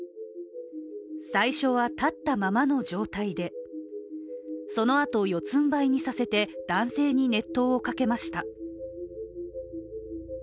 最初は立ったままの状態でそのあと、四つんばいにさせて男性に熱湯をかけました。